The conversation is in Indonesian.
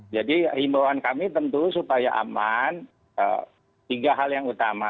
jadi himbawan kami tentu supaya aman tiga hal yang utama